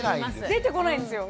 出てこないんですよ